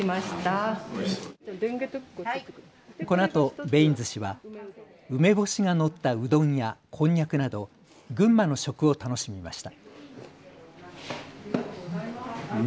このあとベインズ氏は梅干しが載ったうどんやこんにゃくなど群馬の食を楽しみました。